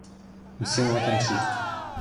無線は、楽しい